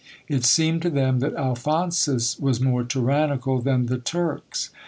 It seemed to them that Alphonsus was more tyrannical than the Turks.